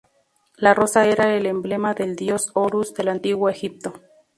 La rosa era el emblema del dios Horus del Antiguo Egipto.